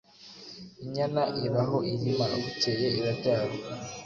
inyana iba aho irima, bukeye irabyara,